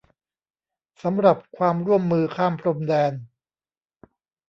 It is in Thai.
สำหรับความร่วมมือข้ามพรมแดน